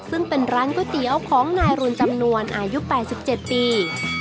ซึ่งเป็นร้านก๋วยเตี๋ยวของนายรุนจำนวนอายุ๘๗ปี